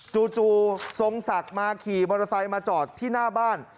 จู่ทรงศักดิ์มาขี่มอเตอร์ไซค์มาจอดที่หน้าบ้าน